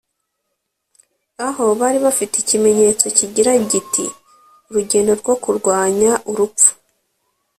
aho bari bafite ikimenyetso kigira giti “urugendo rwo kurwanya urupfu”